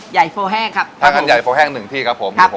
โฟแห้งครับห้างคันใหญ่โฟแห้งหนึ่งที่ครับผมครับผม